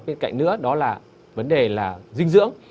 bên cạnh nữa đó là vấn đề là dinh dưỡng